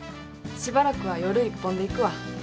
しばらくは夜一本でいくわ。